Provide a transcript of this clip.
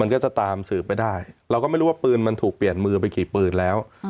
มันก็จะตามสืบไปได้เราก็ไม่รู้ว่าปืนมันถูกเปลี่ยนมือไปกี่ปืนแล้ว